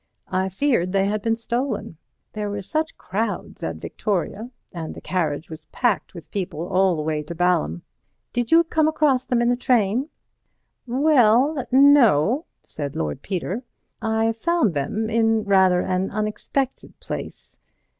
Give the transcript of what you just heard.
I feared they had been stolen. There were such crowds at Victoria, and the carriage was packed with people all the way to Balham. Did you come across them in the train?" "Well, no," said Lord Peter, "I found them in rather an unexpected place.